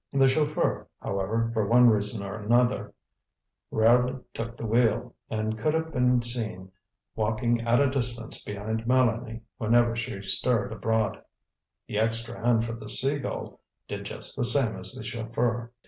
The chauffeur, however, for one reason or another, rarely took the wheel, and could have been seen walking at a distance behind Mélanie whenever she stirred abroad. The extra hand for the Sea Gull did just the same as the chauffeur.